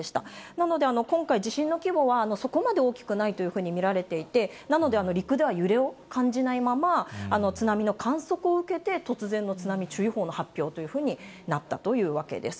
なので今回、地震の規模はそこまで大きくないというふうに見られていて、なので陸では揺れを感じないまま、津波の観測を受けて、突然の津波注意報の発表というふうになったというわけです。